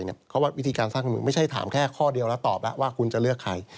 เพราะว่าวิธีการสร้างการเมืองไม่ใช่ถามแค่ข้อเดียวแล้วตอบแล้วว่าคุณจะเลือกใคร